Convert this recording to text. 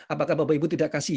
apakah bapak ibu tidak kasih